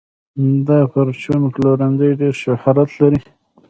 دا پرچون پلورنځی ډېر شهرت لري.